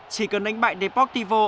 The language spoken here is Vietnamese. chỉ cần đánh bại deportivo